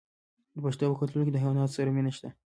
د پښتنو په کلتور کې د حیواناتو سره مینه شته.